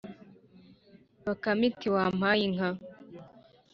Bakame iti: "wampaye inka!